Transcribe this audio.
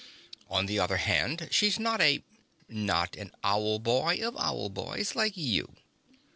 "On the other hand, she's not a " "Not an Owl boy of Owl boys like you."